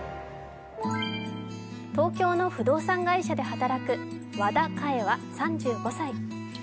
東京の不動産会社で働く和田かえは３５歳。